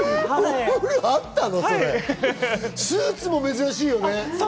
スーツも珍しいよね。